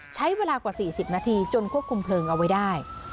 ใช้เวลากว่า๔๐นาทีจนควบคุมเพลิงเอาไว้ได้